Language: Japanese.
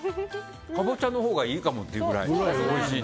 カボチャのほうがいいかもっていうぐらいおいしい。